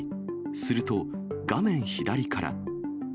すると、画面左から。